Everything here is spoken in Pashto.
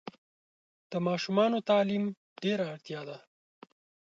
د ماشومانو تعلیم ډېره اړتیا ده.